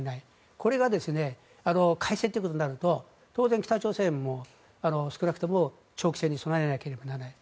これが開戦ということになると当然、北朝鮮にも少なくとも長期戦に備えなければならない。